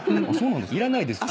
いらないですよ。